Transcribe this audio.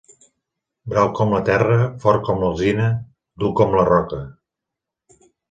Brau com la terra, fort com l'alzina, -dur com la roca.